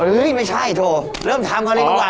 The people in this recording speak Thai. อุ๊ยไม่ใช่โถ่เริ่มทำกันเลยดีกว่า